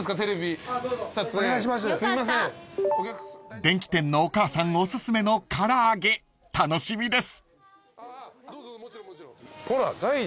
［電器店のお母さんおすすめの唐揚げ楽しみです］